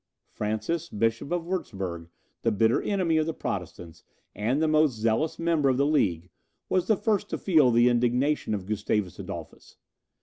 Francis, Bishop of Wurtzburg, the bitter enemy of the Protestants, and the most zealous member of the League, was the first to feel the indignation of Gustavus Adolphus.